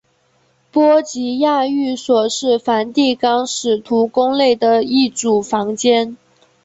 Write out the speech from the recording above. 波吉亚寓所是梵蒂冈使徒宫内的一组房间。